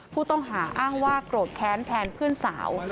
ผู้ต้องหาอ้างว่าโกรธแค้นแทนเพื่อนสาว